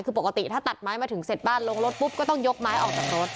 คือปกติถ้าตัดไม้มาถึงเสร็จบ้านลงรถปุ๊บก็ต้องยกไม้ออกจากรถ